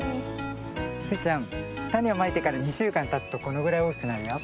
スイちゃんたねをまいてから２しゅうかんたつとこのぐらいおおきくなるよ。